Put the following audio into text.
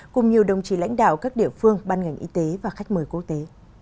cùng nhiều đồng chí lãnh đạo các địa phương ban ngành y tế và khách mời quốc tế